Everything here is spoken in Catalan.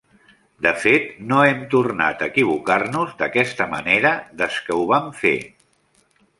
De fet, no hem tornat a equivocar-nos d'aquesta manera des que ho vam fer.